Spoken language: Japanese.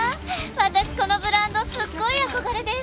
私このブランドすっごい憧れです！」